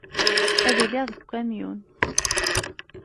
Ad iliɣ deg ukamyun.